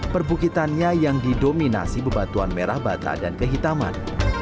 perbukitannya yang didominasi bebatuan merah bata dan kehitaman